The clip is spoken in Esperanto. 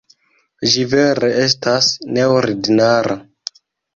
Ĝi vere estas neordinara.